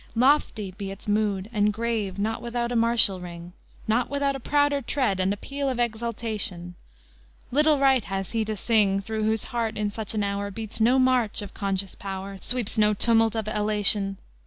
Lofty be its mood and grave, Not without a martial ring, Not without a prouder tread And a peal of exultation: Little right has he to sing Through whose heart in such an hour Beats no march of conscious power, Sweeps no tumult of elation!